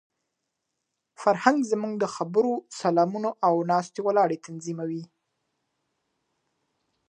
فرهنګ زموږ د خبرو، سلامونو او ناسته ولاړه تنظیموي.